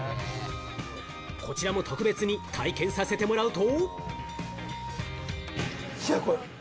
こちらも特別に体験させてもらうと。